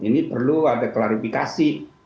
ini perlu ada klarifikasi